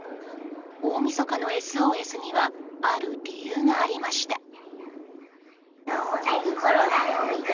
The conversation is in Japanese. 大みそかのＳＯＳにはある理由がありました。